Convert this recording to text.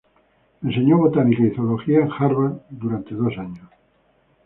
Enseñó botánica y zoología en Harvard por dos años.